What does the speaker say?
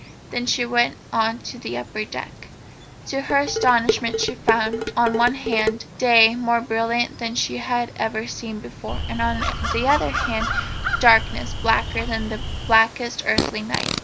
Then she went on to the upper deck. To her astonishment she found, on one hand, day more brilliant than she had ever seen it before, and on the other hand darkness blacker than the blackest earthly night.